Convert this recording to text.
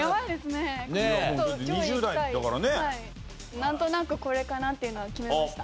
なんとなくこれかなっていうのは決めました。